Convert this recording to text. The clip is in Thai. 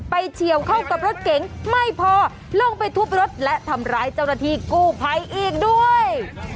เฉียวเข้ากับรถเก๋งไม่พอลงไปทุบรถและทำร้ายเจ้าหน้าที่กู้ภัยอีกด้วย